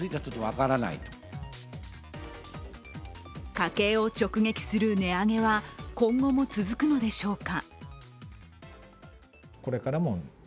家計を直撃する値上げは今後も続くのでしょうか。